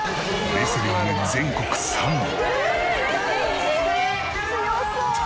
レスリング３位？